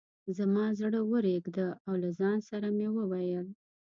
زما زړه ورېږده او له ځان سره مې وویل.